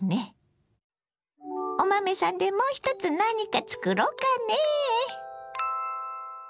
お豆さんでもう一つ何か作ろうかねぇ。